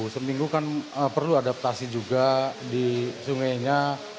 seminggu kan perlu adaptasi juga di sungainya